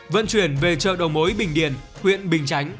vận chuyển về chợ đầu mối bình điền huyện bình chánh